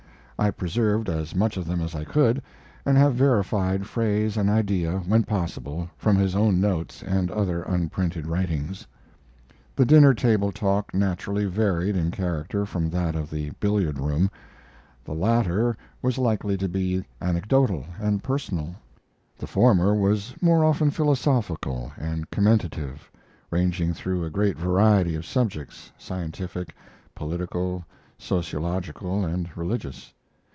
I preserved as much of them as I could, and have verified phrase and idea, when possible, from his own notes and other unprinted writings. This dinner table talk naturally varied in character from that of the billiard room. The latter was likely to be anecdotal and personal; the former was more often philosophical and commentative, ranging through a great variety of subjects scientific, political, sociological, and religious.